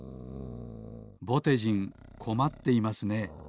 ぼてじんこまっていますね。